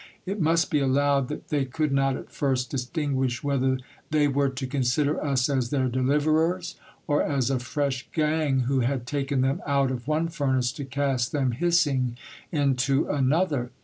It must be allowed that they could not at first distinguish whether they were to consider us as their deliverers, or as a fresh gang who had taken them out of one furnace to cast them hissing into another.